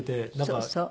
そうそう。